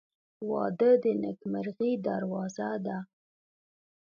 • واده د نیکمرغۍ دروازه ده.